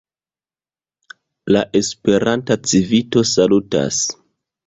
La Esperanta Civito salutas.